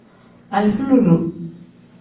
Alifa lube.